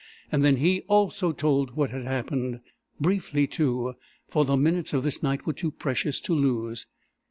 And then he, also, told what had happened briefly, too, for the minutes of this night were too precious to lose.